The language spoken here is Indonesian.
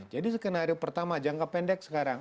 jadi skenario pertama jangka pendek sekarang